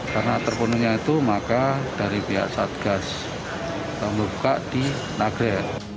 karena terpunuhnya itu maka dari pihak saat gas terbuka di nagre